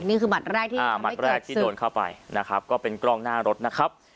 นี่คือหัดแรกที่อ่าหมัดแรกที่โดนเข้าไปนะครับก็เป็นกล้องหน้ารถนะครับ